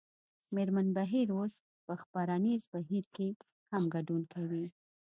مېرمن بهیر اوس په خپرنیز بهیر کې هم ګډون کوي